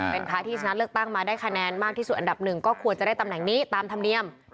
เป็นพระที่ชนะเลือกตั้งมาได้คะแนนมากที่สุดอันดับหนึ่งก็ควรจะได้ตำแหน่งนี้ตามธรรมเนียม